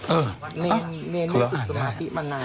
เออวัดน้องศาล